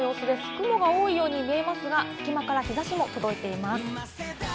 雲が多いように見えますが、隙間から日差しも届いています。